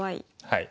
はい。